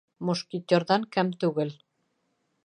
Мушкетерҙан кәм түгел.